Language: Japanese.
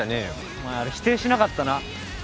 お前あれ否定しなかったな。